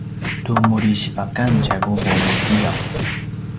tu muri sipakan tjai vuvu nu tiyaw